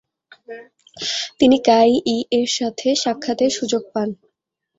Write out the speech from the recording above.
তিনি কাই ই-এর সাথে সাক্ষাতের সুযোগ পান।